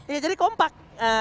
iya jadi kompak